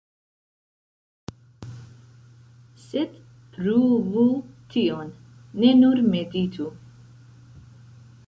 Sed pruvu tion, ne nur meditu!